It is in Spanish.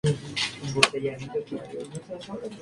Pellegrino nació en Los Ángeles, California.